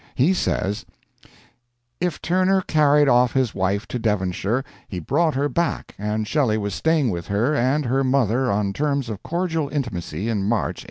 He says: "If Turner carried off his wife to Devonshire he brought her back and Shelley was staying with her and her mother on terms of cordial intimacy in March, 1814."